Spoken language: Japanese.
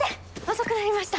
遅くなりました。